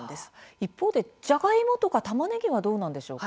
一方で、じゃがいもやたまねぎはどうなんでしょうか。